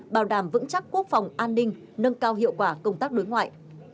bảo đảm vững chắc quốc phòng an ninh nâng cao hiệu quả công tác đối ngoại